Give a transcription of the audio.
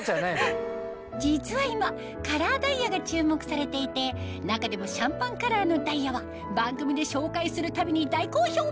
実は今カラーダイヤが注目されていて中でもシャンパンカラーのダイヤは番組で紹介するたびに大好評！